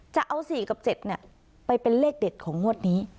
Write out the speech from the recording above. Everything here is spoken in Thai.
จะเอา๔กับ๗ไปเป็นเลขเด็ดของงวดนี้